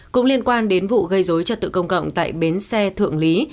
cũng liên quan đến vụ gây dối trật tự công cộng tại bến xe thượng lý